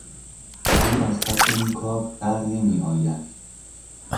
او از پس این کار برنمیآید.